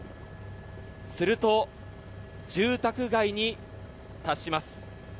すると、住宅街に達します。